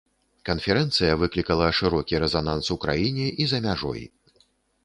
Канферэнцыя выклікала шырокі рэзананс у краіне і за мяжой.